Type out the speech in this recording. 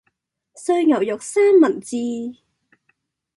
碎牛肉三文治